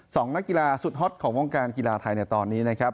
นักกีฬาสุดฮอตของวงการกีฬาไทยในตอนนี้นะครับ